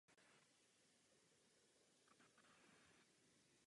Úzké kanály pak mohou přenášet pouze omezené množství informací.